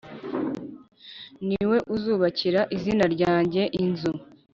ni we uzubakira izina ryanjye inzu